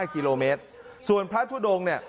๑๕กิโลเมตรส่วนพระทุดง